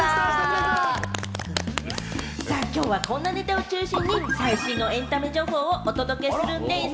さあ、きょうはこんなネタを中心に最新エンタメ情報をお届けするんでぃす。